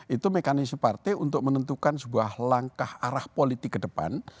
itu mekanisme partai untuk menentukan sebuah langkah arah politik ke depan